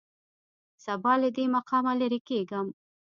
سبا له دې مقامه لېرې کېږم.